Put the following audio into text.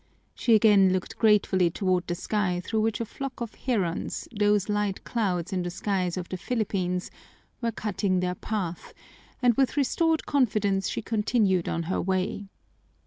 She again looked gratefully toward the sky through which a flock of herons, those light clouds in the skies of the Philippines, were cutting their path, and with restored confidence she continued on her way.